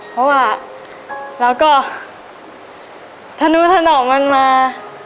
เพราะว่าแล้วก็ทะนูทะนอกมันมา